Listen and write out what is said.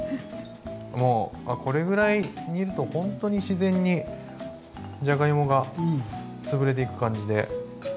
もうこれぐらい煮るとほんとに自然にじゃがいもがつぶれていく感じで。